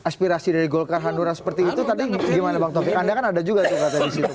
aspirasi dari golkar hanura seperti itu tadi gimana bang taufik anda kan ada juga tuh kata di situ